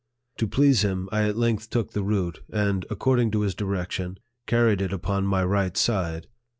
To please him, I at length took the root, and, according to his direction, carried it upon my right side.